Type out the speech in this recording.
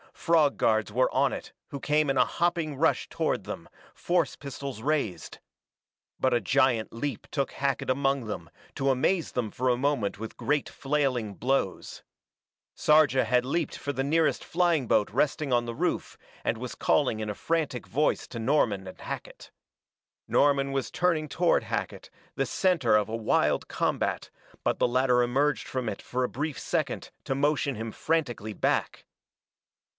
Frog guards were on it who came in a hopping rush toward them, force pistols raised. But a giant leap took Hackett among them, to amaze them for a moment with great flailing blows. Sarja had leaped for the nearest flying boat resting on the roof, and was calling in a frantic voice to Norman and Hackett. Norman was turning toward Hackett, the center of a wild combat, but the latter emerged from it for a brief second to motion him frantically back.